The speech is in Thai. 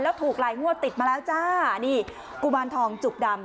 แล้วถูกหลายงวดติดมาแล้วจ้านี่กุมารทองจุกดำ